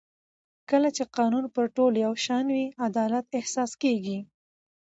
کله چې قانون پر ټولو یو شان وي عدالت احساس کېږي